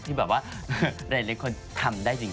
ที่แบบว่าหลายคนทำได้จริง